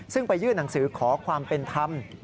ซึ่งไปยื่นหนังสือขอความเป็นธรรม